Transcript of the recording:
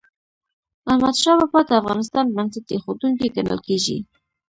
احمدشاه بابا د افغانستان بنسټ ايښودونکی ګڼل کېږي.